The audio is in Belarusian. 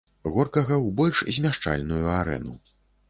Горкага ў больш змяшчальную арэну.